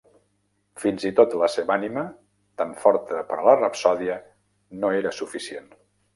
Fins-i-tot la seva ànima, tant forta per a la rapsòdia, no era suficient.